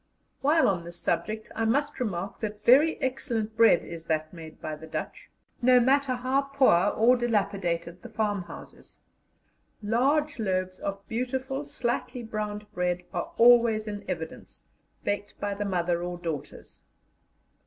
While on this subject, I must remark what very excellent bread is that made by the Dutch; no matter how poor or dilapidated the farmhouses, large loaves of beautiful, slightly browned bread are always in evidence, baked by the mother or daughters.